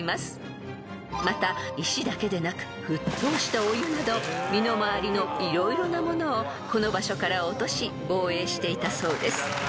［また石だけでなく沸騰したお湯など身の回りの色々なものをこの場所から落とし防衛していたそうです］